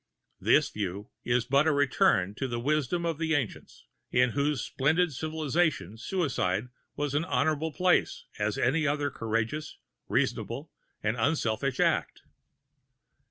This view is but a return to the wisdom of the ancients, in whose splendid civilization suicide had as honorable place as any other courageous, reasonable and unselfish act.